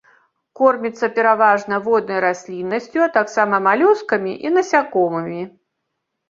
Корміцца пераважна воднай расліннасцю, а таксама малюскамі і насякомымі.